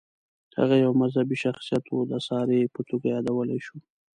هغه یو مذهبي شخصیت و، د ساري په توګه یادولی شو.